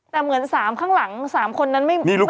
แต่เหมือน๓ข้างหลัง๓คนนั้นไม่ใช่คนเดียวกัน